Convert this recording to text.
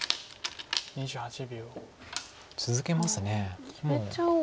続けますね。